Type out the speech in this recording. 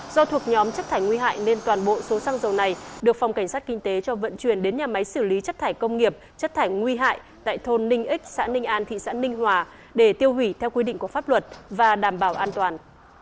do thuộc nhóm chất thải nguy hại nên toàn bộ số xăng dầu này được phòng cảnh sát kinh tế cho vận chuyển đến nhà máy xử lý chất thải công nghiệp chất thải nguy hại tại thôn ninh ích xã ninh an thị xã ninh hòa để tiêu hủy theo quy định của pháp luật và đảm bảo an toàn